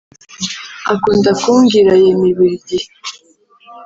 Akunda kumbwira Yemi burigihe